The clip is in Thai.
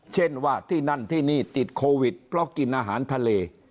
เช่นว่าที่นั่นที่นี่ติดโควิดเพราะกินอาหารทะเล